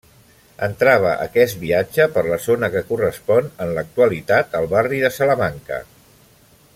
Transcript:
Entrava aquest viatge per la zona que correspon en l'actualitat al barri de Salamanca.